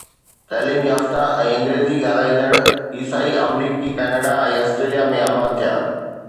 تعليم يافته ۽ انگريزي ڳالهائيندڙ عيسائي آمريڪا، ڪئناڊا ۽ آسٽريليا ۾ آباد ٿيا.